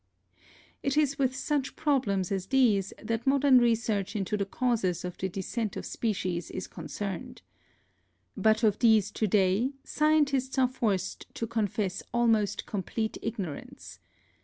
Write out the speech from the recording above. It is with such problems as these that modern research into the causes of the descent of species is concerned. But of these to day scientists are forced to confess almost complete ignorance.